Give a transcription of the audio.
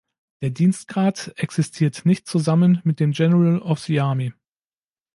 Der Dienstgrad existiert nicht zusammen mit dem "General of the Army".